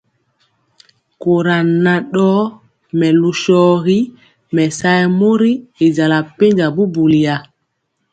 Kora nan ndɔɔ melu shorgi mesayeg mori i jala penja bubuli ya.